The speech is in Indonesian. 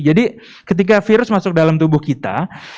jadi ketika virus masuk dalam tubuh kita